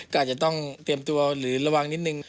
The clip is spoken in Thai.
ก็อาจจะต้องเตรียมตัวหรือระวังนิดนึง